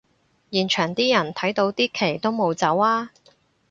現場啲人睇到啲旗都冇走吖